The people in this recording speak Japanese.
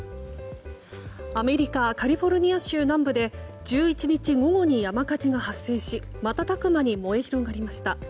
アメリカカリフォルニア州南部で１１日午後に山火事が発生し瞬く間に燃え広がりました。